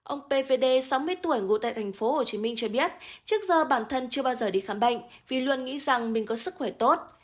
ông pvd sáu mươi tuổi ngụ tại tp hcm cho biết trước giờ bản thân chưa bao giờ đi khám bệnh vì luôn nghĩ rằng mình có sức khỏe tốt